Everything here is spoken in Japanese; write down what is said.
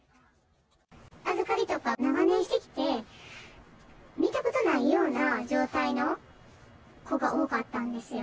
預かりとか長年してきて、見たことないような状態の子が多かったんですよ。